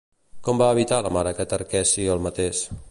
Com va evitar la mare que Tarqueci els matés?